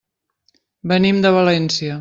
Venim de València.